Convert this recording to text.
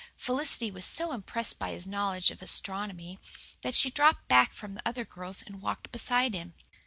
Felicity was so impressed by his knowledge of astronomy that she dropped back from the other girls and walked beside him.